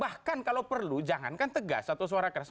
bahkan kalau perlu jangankan tegas atau suara keras